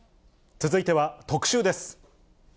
続いては特集です。